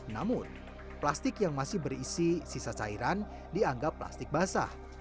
namun plastik yang masih berisi sisa cairan dianggap plastik basah